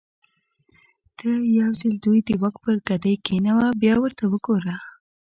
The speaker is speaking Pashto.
ته یو ځل دوی د واک پر ګدۍ کېنوه بیا ورته وګوره.